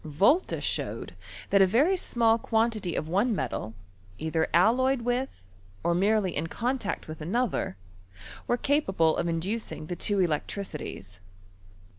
Volta showed that a very small quantity of one metal, either alloyed with, or merely in con tact with another, were capable of inducing the two electricities.